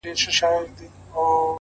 • پښتنه ده آخير ـ